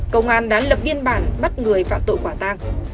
công an đã lập biên bản bắt người phạm tội quả tang